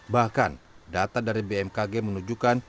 bahkan data dari bmkg menunjukkan